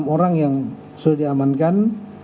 enam orang yang sudah diamankan